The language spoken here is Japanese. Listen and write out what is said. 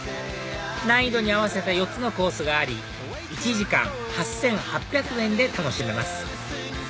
難易度に合わせた４つのコースがあり１時間８８００円で楽しめます